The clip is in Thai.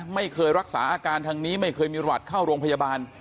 ไม่เคยรักษาอาการทางนี้ไม่เคยมีหวัดเข้าโรงพยาบาล